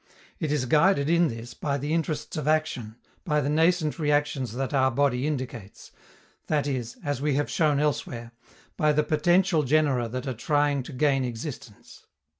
It is guided in this by the interests of action, by the nascent reactions that our body indicates that is, as we have shown elsewhere, by the potential genera that are trying to gain existence.